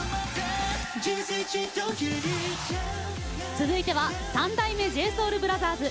続いては、三代目ＪＳＯＵＬＢＲＯＴＨＥＲＳ。